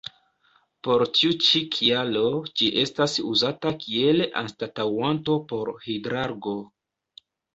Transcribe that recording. Por tiu ĉi kialo ĝi estas uzata kiel anstataŭanto por Hidrargo.